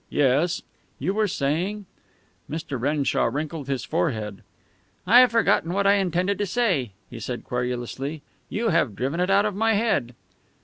Yes. You were saying?" Mr. Renshaw wrinkled his forehead. "I have forgotten what I intended to say," he said querulously. "You have driven it out of my head."